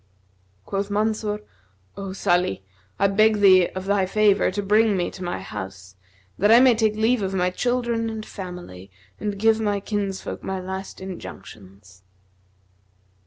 Quoth Mansur, "O Salih, I beg thee of thy favour to bring me to my house, that I may take leave of my children and family and give my kinsfolk my last injunctions."